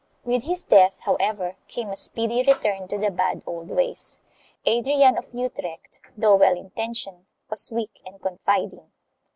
2 With his death, however, came a speedy return to the bad old ways. Adrian of Utrecht, though well intentioned, was weak and confiding.